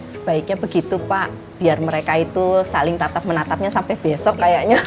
sebaiknya begitu pak biar mereka itu saling tatap menatapnya sampai besok kayaknya